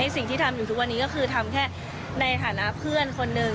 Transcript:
สิ่งที่ทำอยู่ทุกวันนี้ก็คือทำแค่ในฐานะเพื่อนคนหนึ่ง